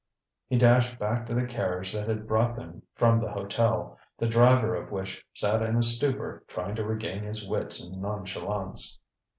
He dashed back to the carriage that had brought them from the hotel, the driver of which sat in a stupor trying to regain his wits and nonchalance.